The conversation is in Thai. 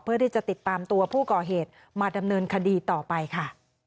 เพื่อที่จะติดตามตัวผู้ก่อเหตุมาดำเนินคดีต่อไปค่ะ